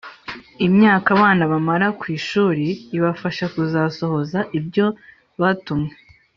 imyaka abana bamara ku ishuri ibafasha kuzasohoza ibyo batumwe\